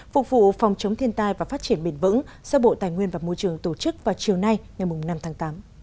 phục vụ phòng chống thiên tai và phát triển bền vững do bộ tài nguyên và môi trường tổ chức vào chiều nay ngày năm tháng tám